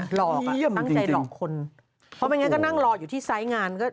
หลอกตั้งใจหลอกคนเพราะไม่งั้นก็นั่งรออยู่ที่ไซส์งานก็